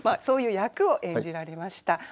そういう役を演じられました。